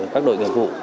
các đội nghiệp vụ